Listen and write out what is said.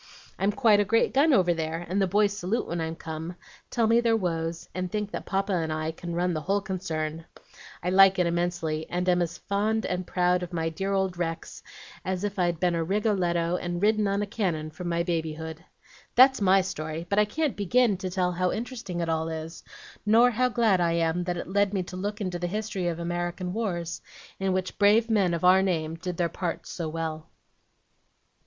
I'm quite a great gun over there, and the boys salute when I come, tell me their woes, and think that Papa and I can run the whole concern. I like it immensely, and am as proud and fond of my dear old wrecks as if I'd been a Rigoletto, and ridden on a cannon from my babyhood. That's MY story, but I can't begin to tell how interesting it all is, nor how glad I am that it led me to look into the history of American wars, in which brave men of our name did their parts so well."